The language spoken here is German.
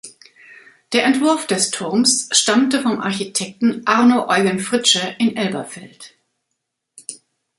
Der Entwurf des Turms stammte vom Architekten Arno Eugen Fritsche in Elberfeld.